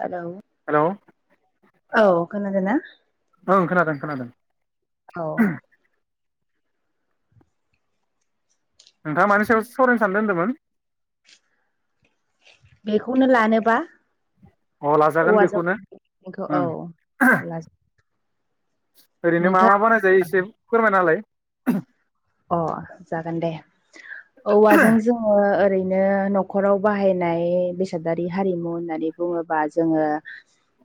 Hello hello औ खोनादोंना? ओं खोनादों खोनादों औ नोंथाङा मानि सायाव सावरायनो सानदों होन्दोंमोन? बेखौनो लानोबा अ लाजागोन औवाजों बेखौनो बेखौ औ ओं ओरैनो मा मा नोंथाङा बानायजायो एसे फोरमायना होलाय अ जागोन दे औवाजों जोङो ओरै दिनो न'खराव बाहायनाय बेसादारि हारिमु होननानै बुङोबा जोङो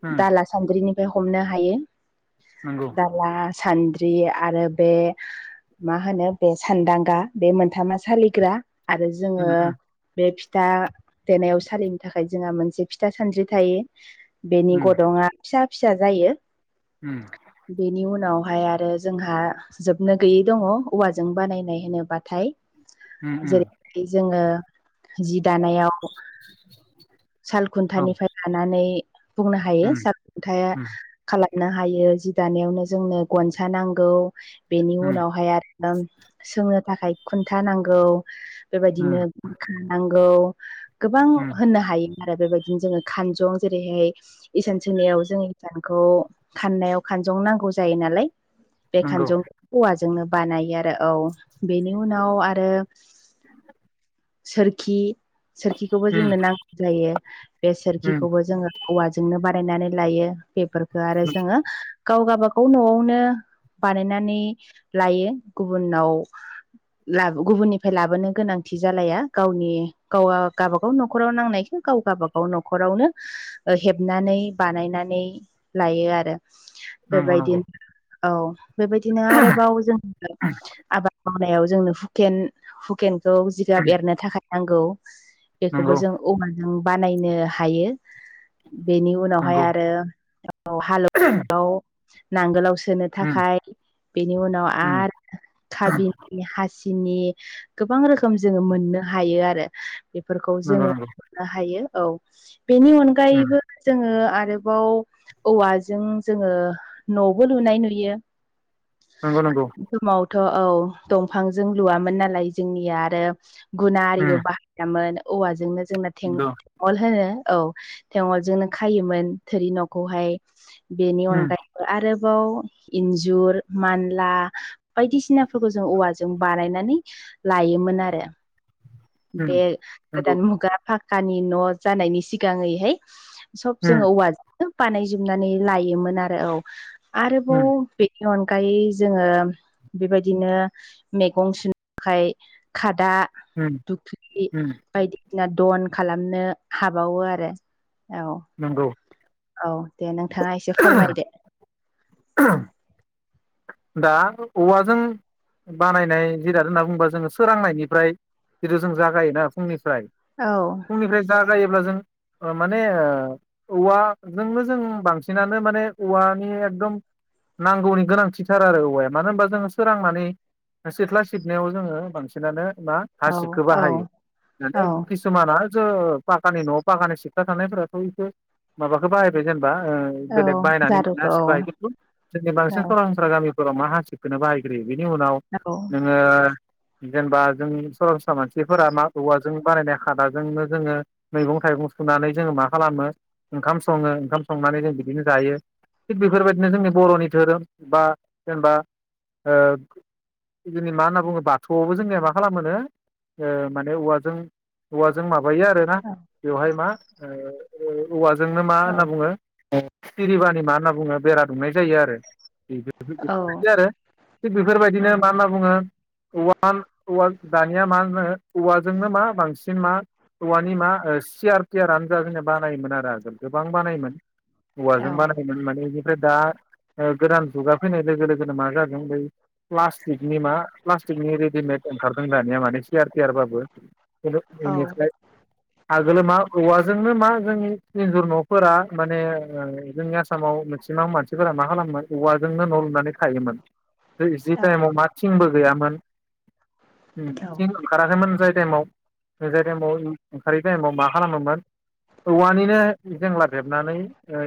उम दाला सान्द्रिनिफ्राय हमनो हायो। नंगौ दाला सान्द्रि आरो बे मा होनो बे सानदांगा बे मोनथामा सालिग्रा आरो जोङो उम उम बे फिथा देनायाव सालिनो थाखाय जोंहा मोनसे फिथा सानद्रि थायो। बेनि गदंआ फिसा फिसा जायो। उम बेनि उनावहाय आरो जोंहा जोबनो गैयै दङ। औवाजों बानायनाय होनोबाथाय उम उम जेरैहाय जोङो जि दानायाव औ सालखुन्थानिफ्राय लानानै बुंनो हायो उम सालखुनथाया उम खालामनो हायो जि दानायावनो जोंनो गनसा नांगौ बेनि उम उनावहाय आरो सोंनो थाखाय खुन्था नांगौ बेबायदिनो उम खानांगौ गोबां उम होननो हायो आरो बेबायदिनो जोङो खानजं जेरैहाय इसान सोंनायाव जों इसानखौ खाननायाव खानजं नांगौ जायो नालाय बे नंगौ खानजं औवाजोंनो बानायो आरो औ बेनि उनाव आरो सोरखि सोरखिखौबो उम जोंनो नांगौ जायो बे उम सोरखिखौबो जोङो औवाजोंनो बानायनानै लायो बेफोरखौ आरो जोङो गाव गाबागाव न'आवनो बानायनानै लायो गुबुनाव ला गुबुननिफ्राय लाबोनो गोनांथि जालाया गावनि गाव गावबागाव न'खराव नांनाय गाव गाबागाव न'खरावनो हेबनानै बानायनानै लायो आरो नंगौ नंगौ बेबायदिनो औ बेबायदिनो आरोबाव जों आबाद मावनायाव जोंनो हुकेन हुकेनखौ जिगाब एरनो थाखाय नांगौ बेखौबो जों औवाजों बानायनो हायो। बेनि उनावहाय नंगौ नंगौ आरो हालेवाव नांगोलाव सोनो उम थाखाय बेनि उनाव उम आरो खाबिनि हासिनि गोबां रोखोम जोङो मोननो हायो आरो बेफोरखौ नंगौ जोङो नंगौ मोननो हायो औ बेनि उम अनगायैबो जोङो आरोबाव औवाजों जोङो न'बो लुनाय नुयो। नंगौ नंगौ बे समावथ' औ दंफांजों लुवामोन नालाय जोंनिया आरो गुना आरिबो उम बाहा दामोन औवाजोंनो जोंना थें नंगौ अल होनो औ थेंअलजोंनो खायोमोन थोरि न'खौहाय बेनि उम अनगायै आरोबाव इन्जुर मानला बायदिसिनाफोरखौ जों औवाजों बानायनानै लायोमोन आरो उम बे नंगौ गोदान मुगा फा कानि न' जानायनि सिगाङैहाय सब उम जोङो औवा बानायजोबनानै लायोमोन आरो औ आरोबाव उम बेनि अनगायै जोङो बेबायदिनो मैगं सुनो थाखाय खादा उम दुख्रि उम बायदि बिना दन खालामनो हाबावो आरो औ नंगौ औ दे नोंथाङा एसे फोरमायदो [unintelligible] दा औवाजों बानायनाय जिराद होनना बुङोबा जोङो सोरांनायनिफ्राय जिथु जों जागायोना फुंनिफ्राय औ फुंनिफ्राय जागायोब्ला जों ओ माने ओ औवाजोंनो जों बांसिनानो माने औवानि एकदम नांगौनि गोनांथि थार आरो औवाया मानो होनबा जोङो सोरांनानै सिथ्ला सिबनायाव जोङो बांसिनानो मा औ हासिबखौ औ बाहायो औ मानि खिसुमाना ज पाखानि न'आव पाखानि सिथला थानायफोराथ' इखौ माबाखौ बाहायबाय जेनेबा औ बेलेग बायनानै मोननाय जारुखौ हासिब बायदिखौ जोंनि औ बांसिन सरासन सस्रा गामिफोराव मा हासिबखोनो बाहायग्रोयो बिनि उनाव औ औ नोङो जेनेबा जों सरासस्रा मानसिफोरा मा औवाजों बानायनाय खादाजोंनो जोङो मैगं थाइगं सुनानै जोङो मा खालामो ओंखाम सङो ओंखाम संनानै जों बिदिनो जायो थिग बेफोरबायदिनो जोंनि बर'नि धोरोम बा जेनेबा जोंनि मा होनना बुङो बाथौआवबो जोंनिया मा खालामो माने औवाजों औवाजों माबायो आरो ना औ बेवहाय मा औवाजोंनो मा औ होनना बुङो सिरिबानि मा होनना बुङो बेरा दुमनाय जायो आरो औ बेफोरबायदि आरो थिग औ बेफोरबायदिनो मा होनना बुङो औव औवा दानिया मा होनो औवाजोंनो मा बांसिन मा औवानि मा सियार थियार आनो जा जोंनिया बानायोमोन आरो आगोल गोबां बानायोमोन औवाजों औ बानायोमोन माने बेनिफ्राय दा गोदान जुगा फैनाय लोगो लोगोनो मा जादों बै प्लास्टिकनि मा प्लास्टिकनि रेडिमेड ओंखारदों दानिया माने सियार थियार बाबो [inaudible] [inaudible] आगोलो मा औवाजोंनो मा जोंनि एन्जुर न'फोरा माने जोंनि आसामाव मेक्सिमाम मानसि सिफोरा मा खालामोन औवाजोंनो न' लुनानै थायोमोन जि टाइमाव मा थिंबो गैयामोन थं ओंखाराखैमोन जाय टाइमाव जाय टाइमाव ओंखारै टाइमाव मा खालामोमोन औवानिनो जेंलाब हेबनानै ओ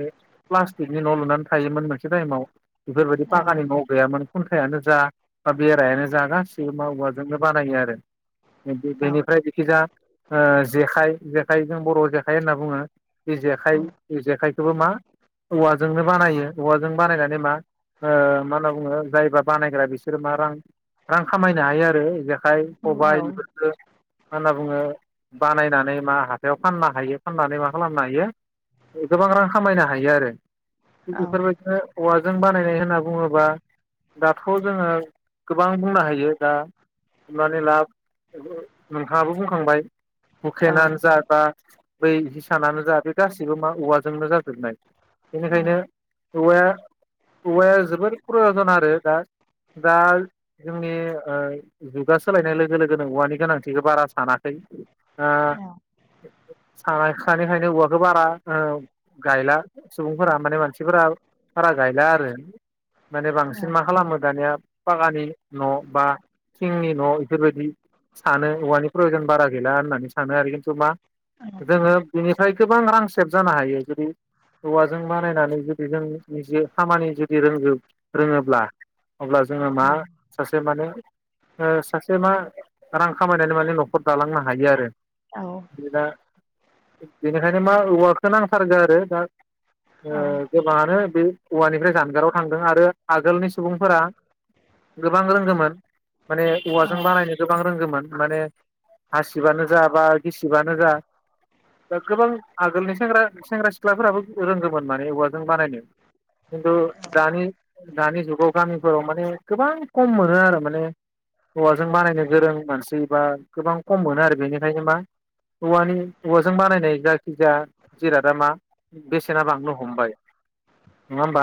प्लास्टिकनि न' लुनानै थायोमोन मोनसे टाइमाव बेफोरबायदि पाखानि औ न' गैयामोन खुन्थायानो जा बा बेरायानो जा गासिबो औवाजोंनो बानायो आरो बेनिफ्राय जिखिजाया जेखाइ जेखाइजों बर' जेखाइ होनना बुङो बे जेखाइ बे जेखाइखौबो मा औवाजोंनो बानायो औवाजों बानायनानै म मा मा होनना बुङो जायबा बानायग्रा बिसोरो मा रां रां खामायनो हायो आरो जेखाइ खबाय बेफोरखौ मा होनना बुङो बानायनानै मा हाथायाव फाननो हायो फाननानै मा खालामनो हायो गोबां रां खामायनो हायो आरो थिग बेफोरबायदिनो औवाजों बानायनाय होनना बुङोब्ला दाथ' जोङो गोबां बुंनो हायो दा हमनानै ला नोंथाङाबो बुंखांबाय हुखेनानो जा बा बै हिसानानो जा बे गाससिबो मा औवा जोंनो जाजोबनाय बेनिखायनो औवाया औवाया जोबद प्रयजन आरो दा दा जोंनि जुगा सोलायनाय लोगो लोगोनो औवानि गोनांथिखौ बारा सानाखै सानाय खायनो औवाखौ बारा गायला सुबुंफोरा माने मानसिफोरा सारा गायला आरो माने बांसिन मा खालामो दानिया बागानि न' बा थिंनि न' बेफोरबायदि सानो औवानि प्रय'जन बारा गैला होननानै सानो आरो खिन्थु मा जोङो बेनिफ्राय गोबां रांसेब जानो हायो जुदि औवाजों बानायनानै जुदि जों नि खामानि जुदि रों रोङोब्ला अब्ला जोङो मा सासे माने सासे मा रां खामायनानै माने न'खर दालांनो हायो आरो औ दा बेनिखायनो मा औवाखौ नांथारगो आरो दा औ औ गोबाङानो बे औवानिफ्राय जानगाराव थांदों आरो आगोलनि सुबुंफोरा गोबां रोंगौमोन माने औ औवाजों बानायनो गोबां रोंगौ मोन माने हासिबानो जा बा गिसिबानो जा दा गोबां आगोलनि सेंग सेंग्रा सिख्लाफोराबो रोंगौमोन माने औवाजों बानायनो खिन्थु दानि दानि जुगाव गामिफोराव माने गोबां खम मोनो आरो माने औवाजों बानायनो गोरों मानसिबा गोबां खम मोनो आरो बेनिखायनो मा औवानि औवाजों बानायनाय जायखिजाया जिरादा मा बेसेना बांनो हमबाय नङा होमबा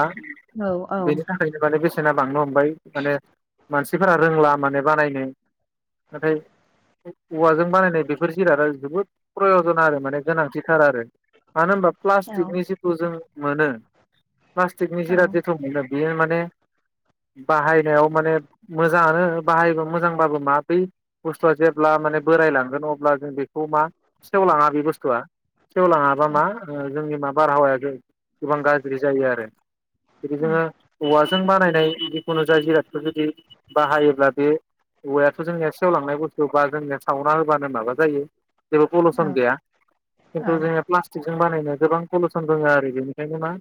औ बेनि थाखाय फैनो माने बेसेना बांनो हमबाय माने मानसिफोरा रोंला माने बानायनो नाथाय औवाजों बानायनाय बेफोर जिरादा जोबोद प्रयजन आरो माने गोनांथिथार आरो मानो होनबा औ प्लास्टिकनि जिथु जों मोनो प्लास्टिकनि औ जिराद जथु मोनो बेयो माने बाहायनायाव माने मोजाङानो बाहायबा मोजांबाबो माबै् बुस्थुआ जेब्ला माने बोरायलांगोन अब्ला जों बेखौ मा सेवलांआ बे बुस्थुआ सेवलाङाबा मा जोंनि मा बारहावाया गोबां गाज्रि जायो आरो जदि जोङो उम, औवाजों बानायनाय जिखुनु जा जिरादफोर जुदि बाहायोब्ला बे औवायाथ' जोंनिया सेवलांनाय बुस्थु बा जोंनिया सावना होबानो माबा जायो जेबो औ पलिुउसन गैया औ खिन्थु जोङो प्लास्टिकजों बानायनो गोबां पलिुसन दोङो आरो बेनिखायनो मा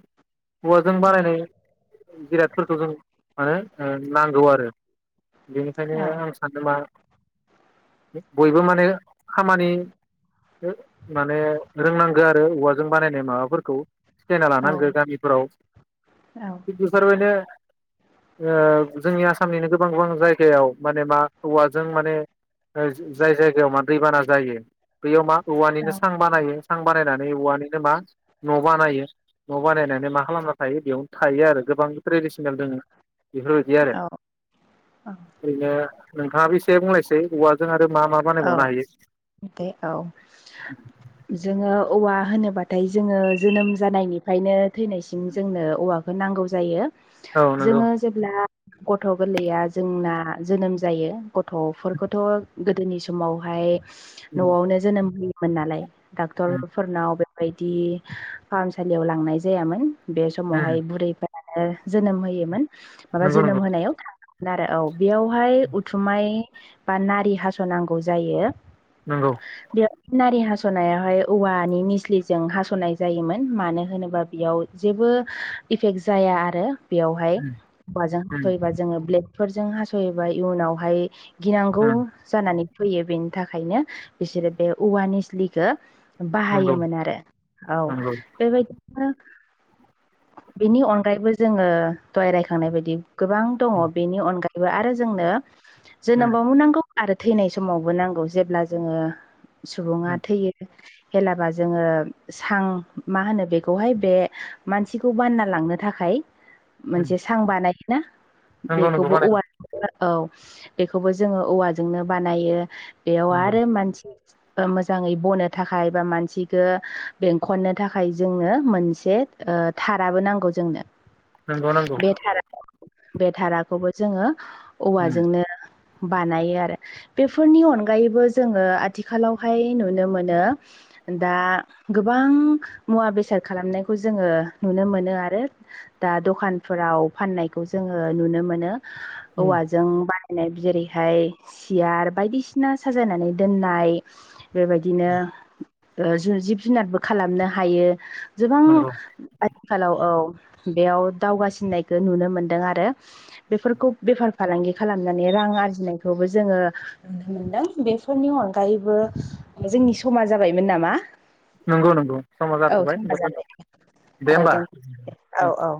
हौवाजों बानायनाय जिरादफोरखौ जों माने नांगौ आरो औ बेनिखायनो आं सानो मा बयबो माने खामानि माने रोंनांगो आरो औवाजों बानायनाय माबाफोरखौ सिखायना लानांगो गामिफोराव औ [unintelligible] जोंनि आसामनिनो गोबां गोबां जायगायाव माने मा औवाजों माने जाय जायगायाव मा दैबाना जायो बयाव मा औवानिनो सां बानायो सां बानायनानै औवानिनो मा न' बानायो न' बानायनानै मा खालामना थायो बेयावनो थायो आरो गोबां ट्रेडिसनेल दङ बेफोरबायदि आरो औ औ ओरैनो नोंथाङाबो एसे बुंलायसै औवाजों आरो मा मा औ बानायबावनो हायो दे औ जोङो औवा होनोब्लाथाय जोङो जोनोम जानायनिफ्रायनो थैनायसिम जोंनो औवा नांगौ जायो औ नंगौ जोंङो अब्ला गथ' गोरलैया जोंना जोनोम जायो गथ'फोरखौथ' गोदोनि समावहाय उम न'आवनो जोनोम होयोमोन नालाय डक्टर उम फोरनाव बेबायदि फाहामसालियाव लांनाय जायामोन बे उम समावहाय बुरैफोरा जोनोम होयोमोन माबा नंगौ जोनोम नंगौ होनायाव आरो औ बेयावहाय उथुमाय बा नारि हास'नांगौ जायो नंगौ बेयाव नारि हास'नायावहाय औवानि मिस्लिजों हास'नाय जायोमोन मानो होनोबा बेयाव जेबो इफेक्ट जाया आरो बेयावहाय उम हौवाजों उम हास'योबा जोङो ब्लेकफोरजों हास'योबा इयुनावहाय गिनांगौ उम जानानै फैयो बेनि थाखायनो बिसोरो बे औवा निस्लिखौ नंगौ नंगौ बाहायोमोन आरो औ बेबायदि बिनि अनगायैबो जोङो दहाय रायखांनाय बायदि गोबां दङ उम बेनि अनगायैबो आरो जोंनो उम जोनोमबाव मोननांगौ आरो थैनाय समावबो नांगौ जेब्ला जोङो सुबुङा थैयो हेलाबा जोङो सां मा होनो बेखौहाय बे मानसिखौ बानना लांनो थाखाय उम मोनसे सां बानायोना नंगौ नंगौ बेखौबो बानायनो औवा औ बेखौबो जोङो औवाजोंनो बानायो बेयाव आरो मानसि मोजाङै बनो थाखाय बा मानसिख बेंखननो थाखाय जोङो मोनसे थाराबो नांगौ जोंनो नंगौ नंगौ बेारा बे थधाराखौबो जोङो उम औवाजोंनो बानायो आरो बेफोरनि अनगायैबो जोङो आथिखालावहाय नुनो मोनो दा गोबां मुवा बेसाद खालामनायखौ जोङो नुनो मोनो आरो दा दखानफोराव फाननायखौ जोङो नुनो मोनो उम औवाजों बानायनाय जेरैहाय सियार बायदिसिना साजायनानै दोननाय बेबायदिनो जिब जुनारबो खालामनो हायो गोबां नंगौ आथिखालाव औ बेयाव दावगासिननायखौ नुनो मोनदों आरो बेफोरखौ बेफार फालांगि खालामनानै रां आरजिनायखौबो जोङो नुनो मोनदों बेफोरनि अनगायैबो जोंनि समा जाबायमोन नामा नंगौ नंगौ समा औ जाथ'बाय सब होनबा दोन दे जाबाय औ होमबा द औ औ